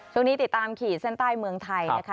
ติดตามขีดเส้นใต้เมืองไทยนะคะ